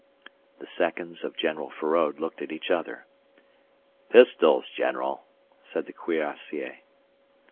The seconds of General Feraud looked at each other. "Pistols, general," said the cuirassier.